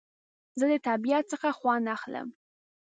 زه د طبیعت څخه خوند اخلم